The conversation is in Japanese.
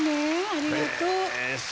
ありがとう。